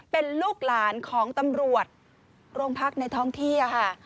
เป็นลูกหลานของตำรวจโรงพักในท้องที่ค่ะ